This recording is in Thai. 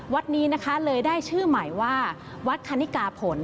วัดนี้เลยได้ชื่อหมายว่าวัดคณิกาผล